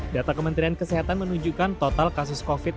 data kementerian kesehatan menunjukkan total kasus covid sembilan belas